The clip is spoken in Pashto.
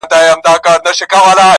په هغې باندي چا کوډي کړي.